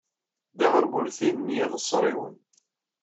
Tedda ɣer wurti n yiɣseriwen.